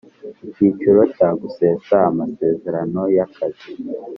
Icyiciro cya gusesa amasezerano y akazi